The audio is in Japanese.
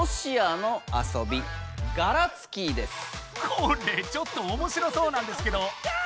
これちょっとおもしろそうなんですけど。